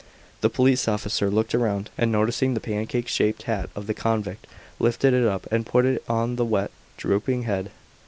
The police officer looked around, and noticing the pancake shaped hat of the convict lifted it up and put it on the wet, drooping head.